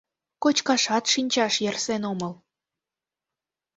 Кочкашат шинчаш ярсен омыл.